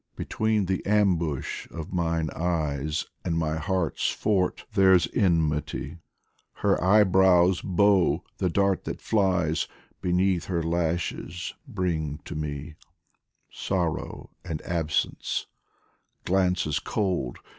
Between the ambush of mine eyes And my heart's fort there's enmity Her eye brow's bow, the dart that flies, Beneath her lashes, bring to me ! 90 DIVAN OF HAFIZ Sorrow and absence, glances cold.